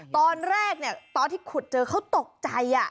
ตอนแรกตอนที่ขุดเจอเขาตกใจ